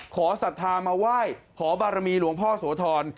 ศรัทธามาไหว้ขอบารมีหลวงพ่อโสธร